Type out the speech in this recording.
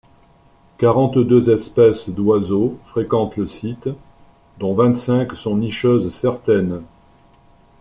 Quarante-deux espèces d’oiseaux fréquentent le site, dont vingt-cinq sont nicheuses certaines.